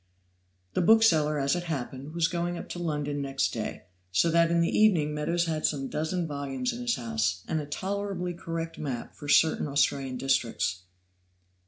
The bookseller, as it happened, was going up to London next day, so that in the evening Meadows had some dozen volumes in his house, and a tolerably correct map of certain Australian districts.